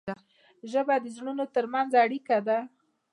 ژبه د زړونو ترمنځ اړیکه ده.